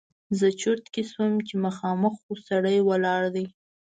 زه چرت کې شوم چې مخامخ خو سړی ولاړ دی!